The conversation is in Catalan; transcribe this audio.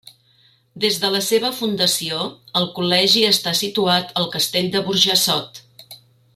Des de la seva fundació el Col·legi està situat al castell de Burjassot.